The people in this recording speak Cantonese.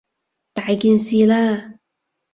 大件事喇！